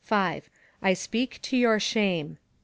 1 speak to your shame.